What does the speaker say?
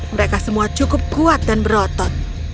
mereka semua cukup kuat dan berotot